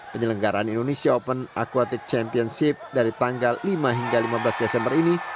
penyelenggaran indonesia open aquatic championship dari tanggal lima hingga lima belas desember ini